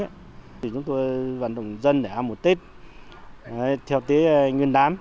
chúng tôi vận động dân để ăn một tết theo tế nguyên đán